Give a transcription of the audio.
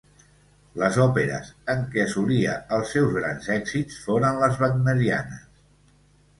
Les òperes en què assolia els seus grans èxits foren les wagnerianes.